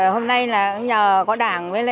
hôm nay là nhờ có đảng với lại